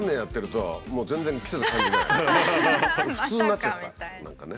普通になっちゃった何かね。